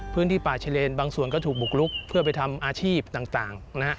พื้นที่ป่าชะเลนบางส่วนก็ถูกบุกลุกเพื่อไปทำอาชีพต่างนะฮะ